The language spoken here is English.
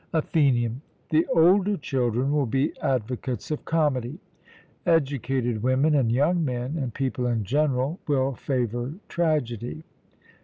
ATHENIAN: The older children will be advocates of comedy; educated women, and young men, and people in general, will favour tragedy.